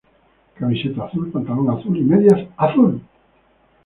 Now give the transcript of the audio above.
Camiseta azul, pantalón azul y medias azul.